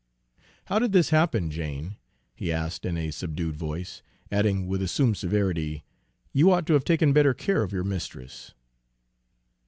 "How did this happen, Jane?" he asked in a subdued voice, adding, with assumed severity, "You ought to have taken better care of your mistress."